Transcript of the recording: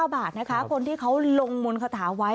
๙บาทนะคะคนที่เขาลงมนต์คาถาไว้